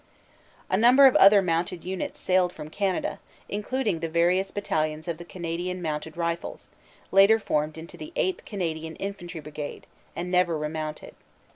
A number of other mounted units sailed from Canada, including the various battalions of the Canadian Mounted Rifles, later formed into the 8th. Canadian Infantry Brigade, and never remounted.